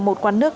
một quán nước